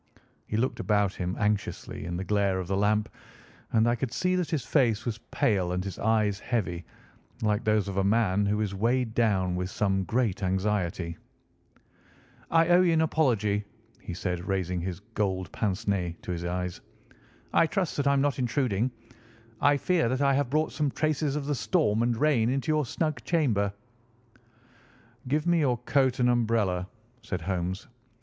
He looked about him anxiously in the glare of the lamp, and I could see that his face was pale and his eyes heavy, like those of a man who is weighed down with some great anxiety. "I owe you an apology," he said, raising his golden pince nez to his eyes. "I trust that I am not intruding. I fear that I have brought some traces of the storm and rain into your snug chamber." "Give me your coat and umbrella," said Holmes.